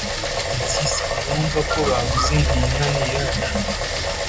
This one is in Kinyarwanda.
mpyisi ntiwumva ko bavuze ngo iyi nka ni iyacu?